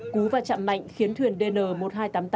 cú và chạm mạnh khiến thuyền dn một nghìn hai trăm tám mươi tám